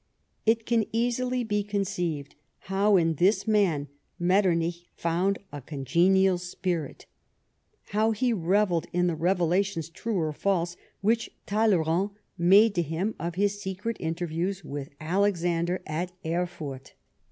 Jt can easily be conceived how, in this man, Metternich found a congenial spirit ; how he revelled in the revela tions, true or false, which Talleyrand made to him of his secret interviews with Alexander at Erfurt.